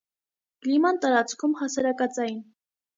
Կլիման տարածքում՝ հասարակածային։